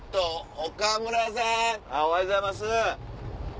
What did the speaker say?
おはようございます。